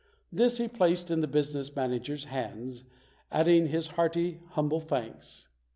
This he placed in the business manager's hands, adding his hearty, humble thanks.